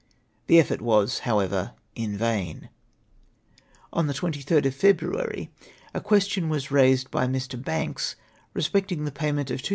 The effort was, however, in vain. On tlie 23rd of February, a question was raised by Mr. Banl'^es respecting the payment of 2790